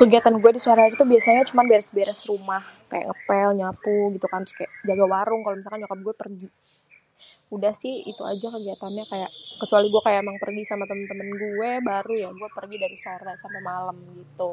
Kegiatan gue disore hari tuh biasanya cuman beres-beres rumah kaya ngepel, nyapu gitu kan, terus kan jaga warung kalo misalkan nyokap gue pergi. Udah si itu aja kegiatannya kecuali gue kaya emang pergi sama temen-temen gue baru pergi dari sore sampe malem gitu.